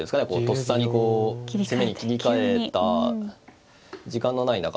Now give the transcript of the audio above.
とっさにこう攻めに切り替えた時間のない中でですね